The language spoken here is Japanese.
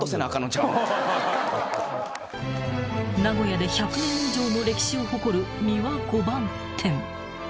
［名古屋で１００年以上の歴史を誇る三輪碁盤店］